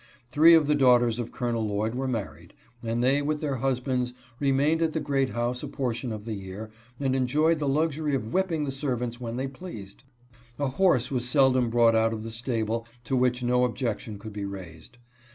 Three of the daughters of Col. Lloyd were married, and they with their husbands remained at the great house a portion of the year, and enjoyed the luxury of whipping the servants when they pleased. A horse was seldom brought out of the stable to which no objection could be raised.